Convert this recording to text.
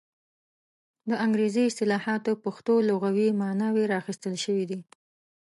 د انګریزي اصطلاحاتو پښتو لغوي ماناوې را اخیستل شوې دي.